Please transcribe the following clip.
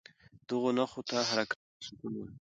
دغو نښو ته حرکات او سکون وايي.